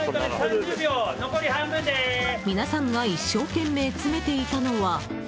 皆さんが一生懸命詰めていたのは。